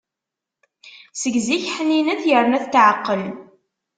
Seg zik ḥninet yerna tetɛeqqel.